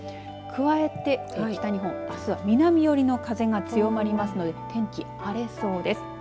加えて北日本あすは南寄りの風が強まりますので天気荒れそうです。